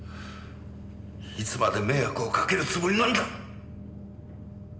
いつまで迷惑をかけるつもりなんだ！